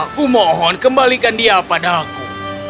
aku mohon kembalikan dia padaku